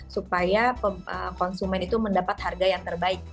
supaya konsumen itu mendapat harga yang terbaik